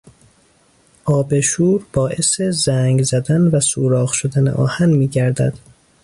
آب شور باعث زنگ زدن و سوراخ شدن آهن میگردد.